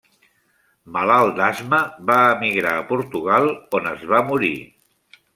Malalt d'asma, va emigrar a Portugal, on es va morir.